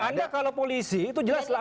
anda kalau polisi itu jelas lah